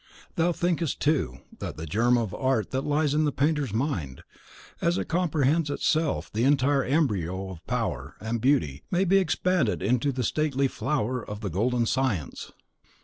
Thou thinkest, too, that the germ of art that lies in the painter's mind, as it comprehends in itself the entire embryo of power and beauty, may be expanded into the stately flower of the Golden Science.